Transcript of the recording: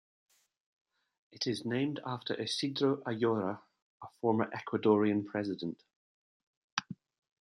It is named after Isidro Ayora, a former Ecuadorian president.